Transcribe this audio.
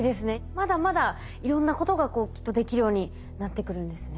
まだまだいろんなことがきっとできるようになってくるんですね。